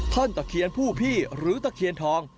ตะเคียนผู้พี่หรือตะเคียนทอง